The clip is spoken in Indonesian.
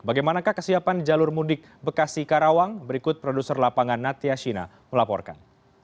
bagaimanakah kesiapan jalur mudik bekasi karawang berikut produser lapangan natya shina melaporkan